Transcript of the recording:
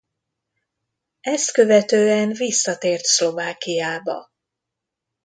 Ezt követően visszatért Szlovákiába.